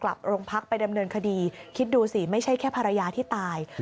กลับโรงพักไปดำเนินคดีคิดดูสิไม่ใช่แค่ภรรยาที่ตาย